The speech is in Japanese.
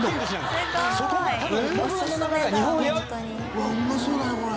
「うわっうまそうだねこれ」